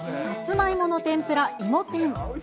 さつまいもの天ぷら、いも天。